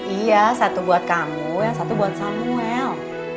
iya satu buat kamu yang satu buat samuel